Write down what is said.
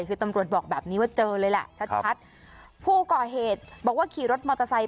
คือตำรวจบอกแบบนี้ว่าเจอเลยแหละชัดชัดผู้ก่อเหตุบอกว่าขี่รถมอเตอร์ไซค์